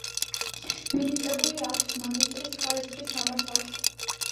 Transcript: მინიჭებული აქვს მაგისტრის ხარისხი სამართალში.